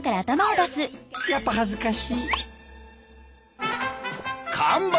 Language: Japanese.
やっぱ恥ずかし！